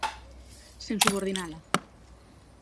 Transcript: Sen subordinala.